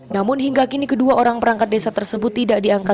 namun hingga kini kedua orang perangkat desa tersebut tidak diangkat